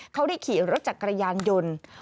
เขาได้ขี่รถจักรยานยนต์